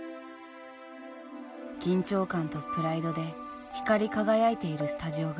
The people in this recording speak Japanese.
緊張感とプライドで光り輝いているスタジオが。